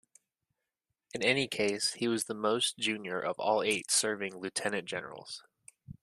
In any case, he was the most junior of all eight serving lieutenant-generals.